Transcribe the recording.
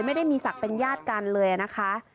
ไม่ได้มีศักดิ์เป็นญาติกันเลยนะคะ